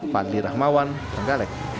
fadli rahmawan trenggalek